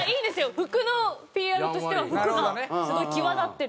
服のＰＲとしては服がすごい際立ってる。